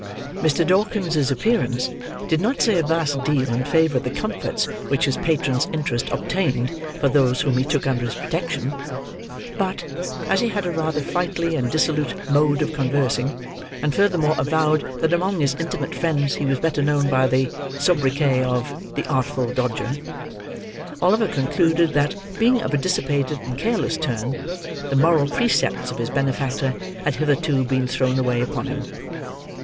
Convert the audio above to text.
Mr. Dawkin's appearance did not say a vast deal in favour of the comforts which his patron's interest obtained for those whom he took under his protection; but, as he had a rather flightly and dissolute mode of conversing, and furthermore avowed that among his intimate friends he was better known by the sobriquet of "The Artful Dodger," Oliver concluded that, being of a dissipated and careless turn, the moral precepts of his benefactor had hitherto been thrown away upon him.